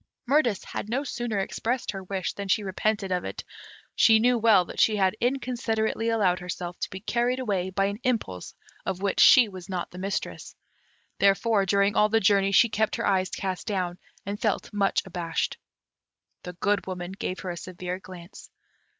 Mirtis had no sooner expressed her wish than she repented of it. She knew well that she had inconsiderately allowed herself to be carried away by an impulse of which she was not the mistress; therefore, during all the journey, she kept her eyes cast down, and felt much abashed. The Good Woman gave her a severe glance.